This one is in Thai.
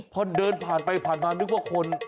พอเดินผ่านไปผ่านมานึกว่าคน